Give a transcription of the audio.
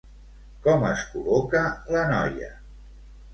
Com es col·loca la noia?